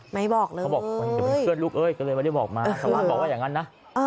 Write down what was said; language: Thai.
ไม่บอกเลยเขาบอกเดี๋ยวเป็นเพื่อนลูกเอ้ยก็เลยไม่ได้บอกมาชาวบ้านบอกว่าอย่างนั้นนะ